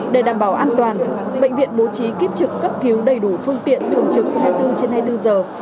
để đảm bảo an toàn bệnh viện bố trí kiếp trực cấp cứu đầy đủ phương tiện thường trực hai mươi bốn trên hai mươi bốn giờ